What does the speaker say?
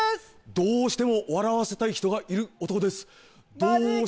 どうしても笑わせたい人がいる男。